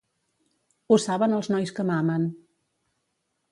Ho saben els nois que mamen.